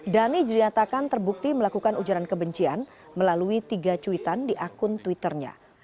dhani dinyatakan terbukti melakukan ujaran kebencian melalui tiga cuitan di akun twitternya